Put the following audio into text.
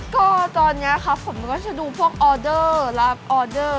ก็ตอนนี้ครับผมก็จะดูพวกออเดอร์รับออเดอร์